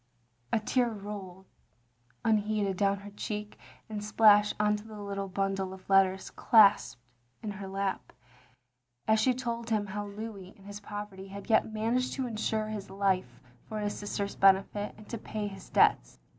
A tear rolled unheeded down her cheek and splashed on to the little bundle of letters clasped in her lap, as she told him how Louis in his poverty had yet managed to insure his life for his sister's benefit, and to pay his debts.